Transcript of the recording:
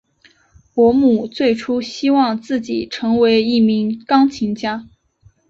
伯姆最初希望自己成为一名钢琴家。